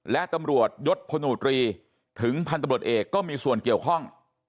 และตำรวจยศพลตรีถึงพันธุ์ตำรวจเอกก็มีส่วนเกี่ยวข้อง